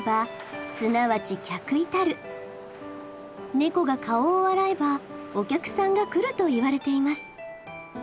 猫が顔を洗えばお客さんが来るといわれています。